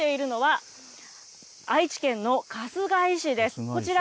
きょう来ているのは、愛知県の春日井市です。